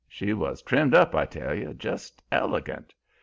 She was trimmed up, I tell you, just elegant.